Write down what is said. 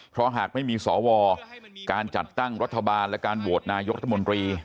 เพราะหากไม่มีสวการจัดตั้งรัฐบาลและการโหวตนายกรัฐมนตรี